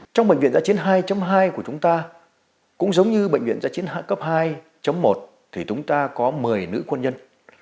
trong bệnh viện giã chiến hai hai của chúng ta cũng giống như bệnh viện giã chiến cấp hai một thì chúng ta có một mươi nữ quân nhân